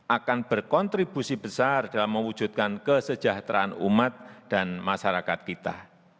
akan berkontribusi besar dalam mewujudkan kesejahteraan umat dan masyarakat kita